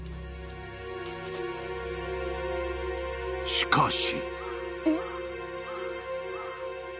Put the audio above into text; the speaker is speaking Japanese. ［しかし］